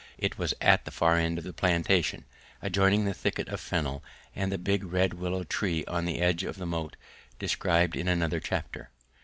It was at the far end of the plantation, adjoining the thicket of fennel and the big red willow tree on the edge of the moat described in another chapter.